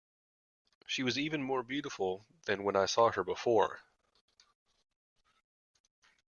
She was even more beautiful than when I saw her, before.